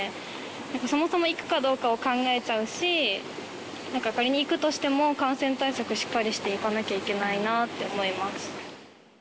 やっぱ、そもそも行くかどうかを考えちゃうし、なんか仮に行くとしても、感染対策、しっかりして行かなきゃいけないなぁって思います。